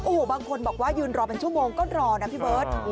โอ้โหบางคนบอกว่ายืนรอเป็นชั่วโมงก็รอนะพี่เบิร์ต